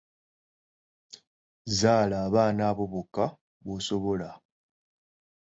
Zaala abaana abo bokka b'osobola.